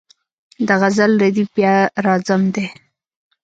د غزل ردیف بیا راځم دی.